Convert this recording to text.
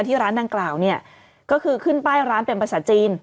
ที่ร้านดังกล่าวเนี่ยก็คือขึ้นป้ายร้านเป็นภาษาจีน